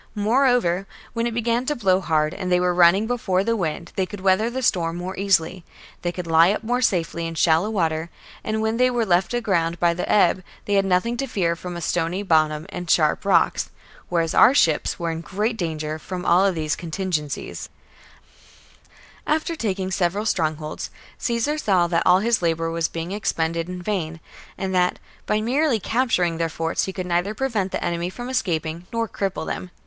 Moreover, when it began to blow hard and they were running before the wind, they could weather the storm more easily ; they could lie up more safely in shallow water ; and when they were left aground by the ebb, they had nothing to fear from a stony bottom and sharp rocks ; whereas our ships were in great danger from all these contingencies. Sea fight 14. After taking several strongholds, Caesar veneti. saw that all his labour was being expended in vain, and that, by merely capturing their forts, he could neither prevent the enemy from escaping nor cripple them.